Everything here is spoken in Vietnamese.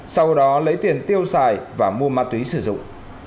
sau đó lấy tiền tiêu xài và mua ma túy sử dụng